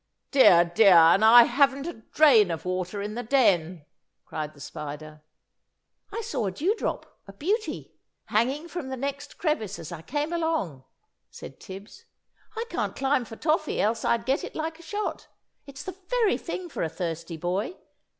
] "Dear, dear, and I haven't a drain of water in the den!" cried the Spider. "I saw a dew drop a beauty hanging from the next crevice as I came along," said Tibbs. "I can't climb for toffee, else I'd get it like a shot; it's the very thing for a thirsty boy.